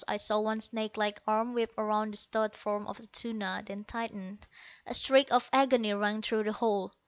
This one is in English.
I saw one snakelike arm whip around the stout form of Atuna, then tighten. A shriek of agony rang through the hall.